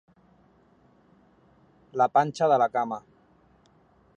La panxa de la cama.